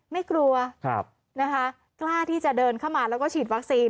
ไม่กลัวนะคะกล้าที่จะเดินเข้ามาแล้วก็ฉีดวัคซีน